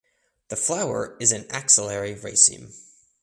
The flower is an axillary raceme.